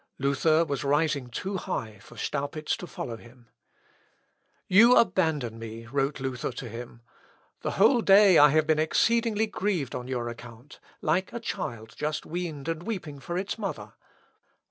Luther was rising too high for Staupitz to follow him. "You abandon me," wrote Luther to him. "The whole day I have been exceedingly grieved on your account, like a child just weaned and weeping for its mother.